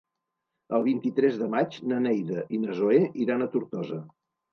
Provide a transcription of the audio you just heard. El vint-i-tres de maig na Neida i na Zoè iran a Tortosa.